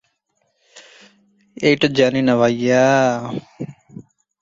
তিনি মুম্বই বিশ্ববিদ্যালয়ের বেশ কয়েকজন শিক্ষার্থীদেরকে পরিসংখ্যানে পিএইচডি করার কাজে সাহায্য করেছিলেন।